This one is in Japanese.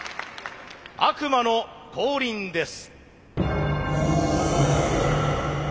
悪魔の降臨です。